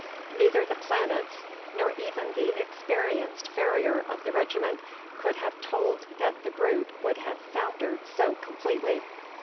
Neither the planets nor even the experienced farrier of the regiment could have told that the brute would have foundered so completely.